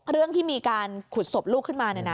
เรื่องที่มีการขุดศพลูกขึ้นมา